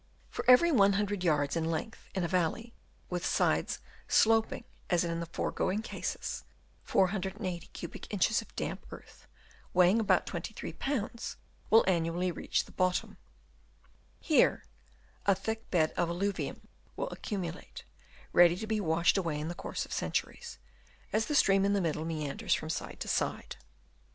For every 100 yards in length in a valley with sides sloping as in the foregoing cases, 480 cubic inches of damp Chap. VI. AIDED BY WORMS. 273 earth, weighing above 23 pounds, will annually reach the bottom. Here a thick bed of alluvium will accumulate, ready to be washed away in the course of centuries, as the stream in the middle meanders from side to side.